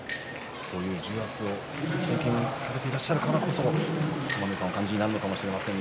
そういう重圧を経験されているからこそ玉ノ井さんはお感じになるかもしれません。